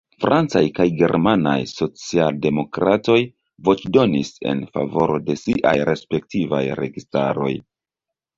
Francaj kaj germanaj socialdemokratoj voĉdonis en favoro de siaj respektivaj registaroj.